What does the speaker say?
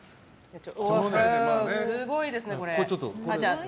すごいですね、これ！